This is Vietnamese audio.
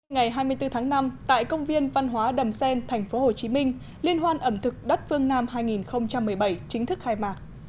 ngày hai mươi bốn tháng năm tại công viên văn hóa đầm xen tp hcm liên hoan ẩm thực đất phương nam hai nghìn một mươi bảy chính thức khai mạc